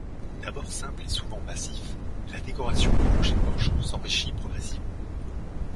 D'abord simple et souvent massif, la décoration du clocher-porche s'enrichit progressivement.